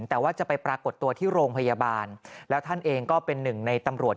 แต่ว่าจะไปปรากฏตัวที่โรงพยาบาลแล้วท่านเองก็เป็นหนึ่งในตำรวจ